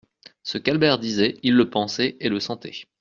Ce qu'Albert disait, il le pensait et le sentait.